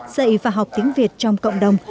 dạy và học tiếng việt trong cộng đồng